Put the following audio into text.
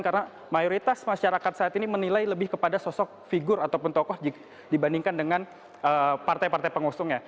karena mayoritas masyarakat saat ini menilai lebih kepada sosok figur ataupun tokoh dibandingkan dengan partai partai pengusungnya